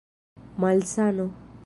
malsano